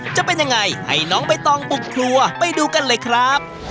จะเป็นยังไงให้น้องใบตองบุกครัวไปดูกันเลยครับ